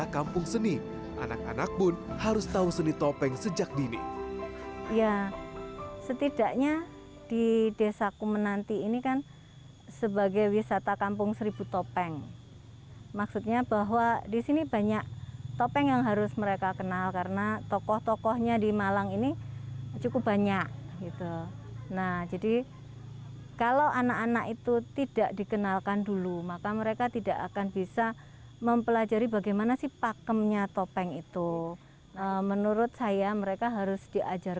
kampung topeng jawa timur